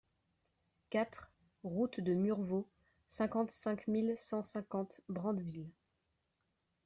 quatre route de Murvaux, cinquante-cinq mille cent cinquante Brandeville